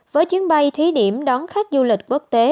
với chuyến bay thí điểm đón khách du lịch quốc tế